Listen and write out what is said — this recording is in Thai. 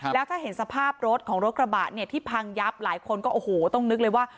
แล้วถ้าเห็นสภาพรถของรถกระบะเนี่ยที่พังยับหลายคนก็โอ้โหต้องนึกเลยว่า